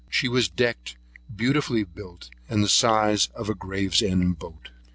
She was decked, beautifully built, and the size of a Gravesend boat.